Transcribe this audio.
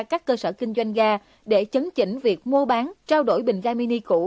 các cơ sở kinh doanh ga để chấn chỉnh việc mua bán trao đổi bình ga mini cũ